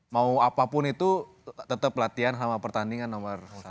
mau apapun itu tetap latihan sama pertandingan nomor satu